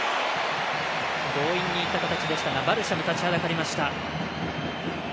強引にいった形でしたがバルシャム、立ちはだかりました。